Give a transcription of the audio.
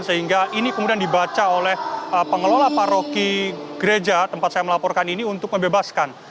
sehingga ini kemudian dibaca oleh pengelola paroki gereja tempat saya melaporkan ini untuk membebaskan